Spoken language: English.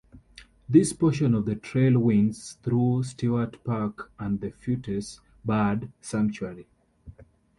This portion of the trail winds through Stewart Park and the Fuertes Bird Sanctuary.